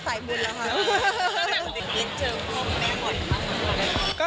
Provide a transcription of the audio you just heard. สายบุญแล้วค่ะ